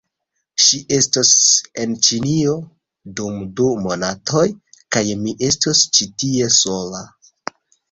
... ŝi estos en Ĉinio, dum du monatoj, kaj mi estos ĉi tie, sola.